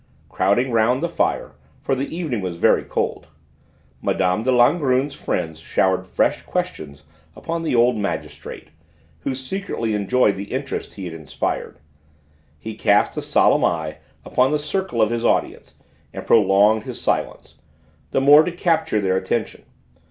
Crowding round the fire, for the evening was very cold, Mme. de Langrune's friends showered fresh questions upon the old magistrate, who secretly enjoyed the interest he had inspired. He cast a solemn eye upon the circle of his audience and prolonged his silence, the more to capture their attention.